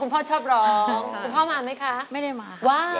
พ่อชอบร้องคุณพ่อมาไหมคะไม่ได้มา